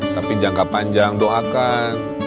tapi jangka panjang doakan